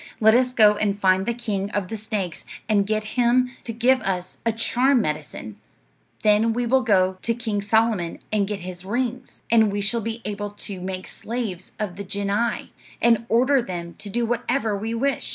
Let us go and find the king of the snakes and get him to give us a charm medicine; then we will go to King Solomon and get his rings, and we shall be able to make slaves of the genii and order them to do whatever we wish.'